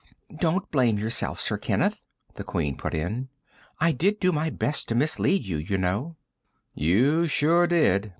"Don't blame yourself, Sir Kenneth," the Queen put in. "I did do my best to mislead you, you know." "You sure did!"